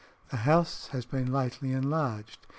The house has been lately enlarged.